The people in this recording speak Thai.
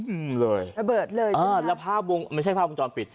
อืมเลยระเบิดเลยอ่าแล้วภาพวงไม่ใช่ภาพวงจรปิด